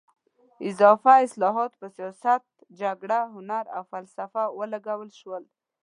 اضافه حاصلات په سیاست، جګړه، هنر او فلسفه ولګول شول.